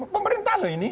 pemerintah loh ini